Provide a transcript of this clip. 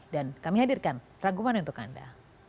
dan kami hadirkan raguman untuk anda